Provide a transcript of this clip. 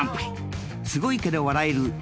［すごいけど笑える